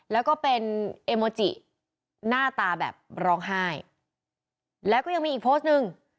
แล้วก็เป็นเอโมจิหน้าตาแบบร้องไห้แล้วก็ยังมีอีกโพสต์หนึ่ง